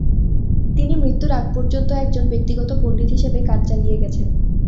তিনি মৃত্যুর আগ পর্যন্ত একজন ব্যক্তিগত পণ্ডিত হিসেবে কাজ চালিয়ে গেছেন।